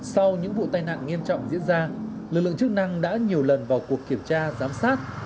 sau những vụ tai nạn nghiêm trọng diễn ra lực lượng chức năng đã nhiều lần vào cuộc kiểm tra giám sát